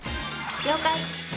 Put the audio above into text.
「了解！」